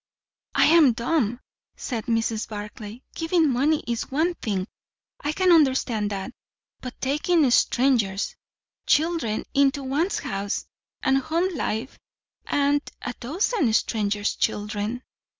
"I am dumb!" said Mrs. Barclay. "Giving money is one thing; I can understand that; but taking strangers' children into one's house and home life and a dozen strangers' children!"